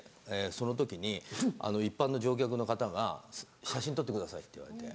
その時に一般の乗客の方が「写真撮ってください」って言われて。